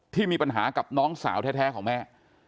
ที่มีปัญหากับน้องสาวแท้ของแม่